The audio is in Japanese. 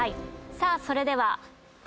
さあそれでは。